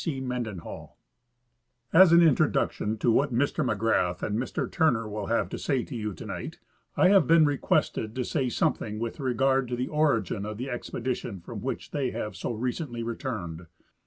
c. mendenhall {Presented before the Society March 4 , 1892) As an introduction to what Mr McGrath and Mr Turner will have to say to you to night, I have been requested to say some thing with regard to the origin of the expedition from which they have so recently returned.